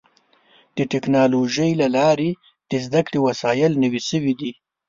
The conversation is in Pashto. د ټکنالوجۍ له لارې د زدهکړې وسایل نوي شوي دي.